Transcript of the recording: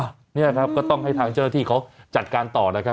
อันนี้ครับก็ต้องให้ทางเจ้าหน้าที่เขาจัดการต่อนะครับ